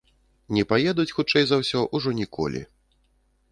Не паедуць, хутчэй за ўсё, ужо ніколі.